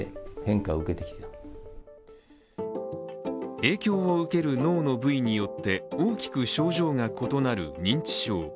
影響を受ける脳の部位によって、大きく症状が異なる認知症。